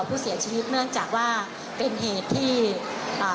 ผู้เสียชีวิตเนื่องจากว่าเป็นเหตุที่อ่า